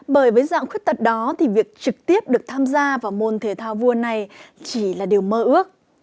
bởi với dạng khuyết tật đó thì việc trực tiếp được tham gia vào môn thể thao vua này chỉ là điều mơ ước